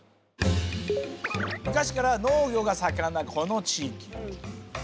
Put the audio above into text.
昔から農業が盛んなこの地域。